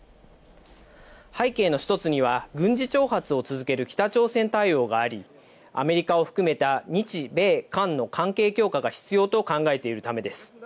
背景の一つには、軍事挑発を続ける北朝鮮対応があり、アメリカを含めた日米韓の関係強化が必要と考えているためです。